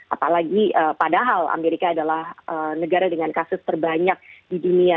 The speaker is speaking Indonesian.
apalagi padahal amerika adalah negara dengan kasus terbanyak di dunia